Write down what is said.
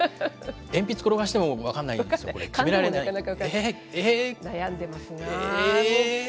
鉛筆転がしても分かんないですよ、悩んでますね。